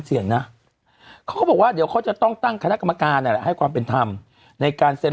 เสี่ยงนะเขาก็บอกว่าเดี๋ยวเขาจะต้องตั้งคณะกรรมการนั่นแหละให้ความเป็นธรรมในการเซ็น